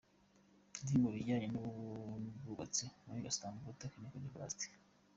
D mu bijyanye n’Ubwubatsi muri Istanbul Technical University.